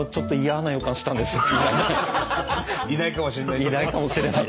いないかもしれない？